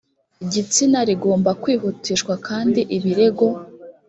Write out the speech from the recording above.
gitsina rigomba kwihutishwa kandi ibirego